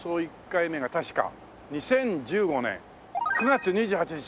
１回目が確か２０１５年９月２８日。